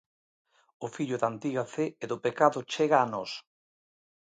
O fillo da antiga fe e do pecado chega a nós.